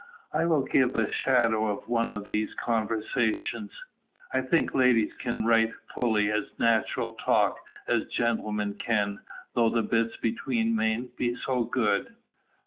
I will give a shadow of one of these conversations. I think ladies can write fully as natural talk as gentlemen can, though the bits between mayn't be so good.